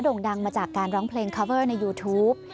่งดังมาจากการร้องเพลงคาเวอร์ในยูทูป